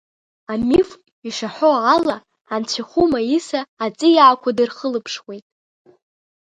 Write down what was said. Амиф ишаҳәо ала, анцәахәы Маиса аҵиаақәа дырхылаԥшуеит.